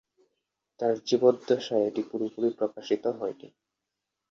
তার জীবদ্দশায় এটি পুরোপুরি প্রকাশিত হয়নি।